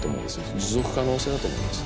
持続可能性だと思います。